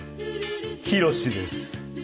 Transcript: ヒロシです。